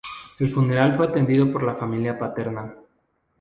El funeral fue atendido por la familia paterna.